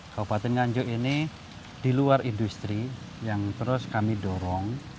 kabupaten nganjuk ini di luar industri yang terus kami dorong